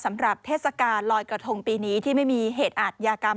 สำหรับเทศกาลลอยด์กระทงปีนี้ที่ไม่มีเหตุอาจยากรรม